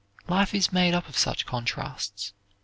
Life is made up of such contrasts.